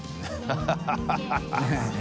ハハハ